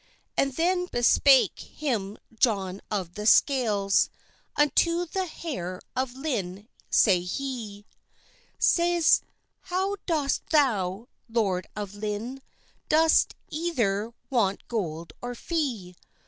And then bespake him John of the Scales, Unto the heire of Lynne say'd hee, Sayes "how dost thou, Lord of Lynne, Doest either want gold or fee?